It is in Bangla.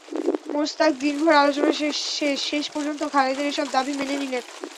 মোশতাক দিনভর আলোচনা শেষে শেষ পর্যন্ত খালেদের এসব দাবি মেনে নিলেন।